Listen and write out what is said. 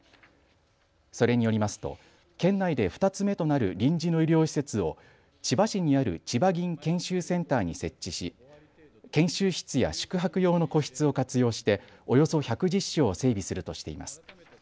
それによりますと県内で２つ目となる臨時の医療施設を千葉市にあるちばぎん研修センターに設置し研修室や宿泊用の個室を活用しておよそ１１０床を整備するとしています。